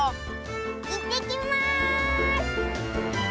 いってきます！